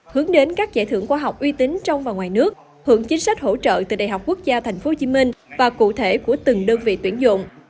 hướng đến các giải thưởng khoa học uy tín trong và ngoài nước hưởng chính sách hỗ trợ từ đại học quốc gia tp hcm và cụ thể của từng đơn vị tuyển dụng